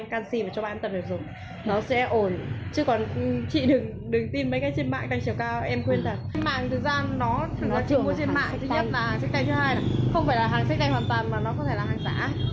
không phải là hàng xích tay hoàn toàn mà nó có thể là hàng xã